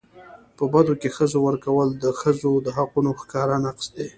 په بدو کي د ښځو ورکول د ښځو د حقونو ښکاره نقض دی.